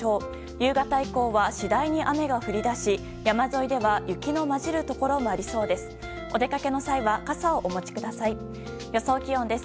夕方以降は次第に雨が降り出し山沿いでは雪の交じるところもありそうです。